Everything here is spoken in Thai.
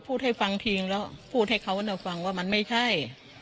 พูดให้ฟังทีแล้วพูดให้เขาอันนั้นฟังว่ามันไม่ใช่